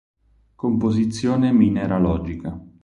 Composizione mineralogica.